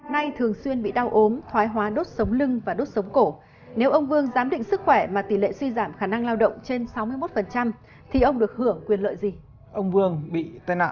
nay thường xuyên bị đau ốm thoái hóa đốt sống lưng và đốt sống cổ